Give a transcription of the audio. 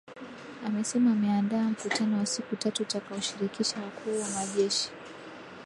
amesema ameandaa mkutano wa siku tatu utakao shirikisha wakuu wa majeshi